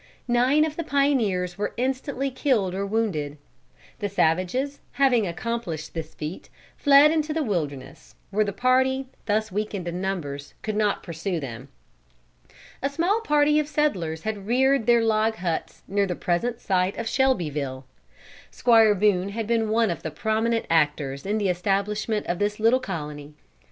Nine of the pioneers were instantly killed or wounded. The savages, having accomplished this feat, fled into the wilderness, where the party, thus weakened in numbers, could not pursue them. A small party of settlers had reared their log huts near the present site of Shelbyville. Squire Boone had been one of the prominent actors in the establishment of this little colony.